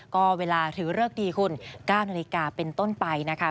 ก็เวลาถือเลิกดีคุณ๙นาฬิกาเป็นต้นไปนะคะ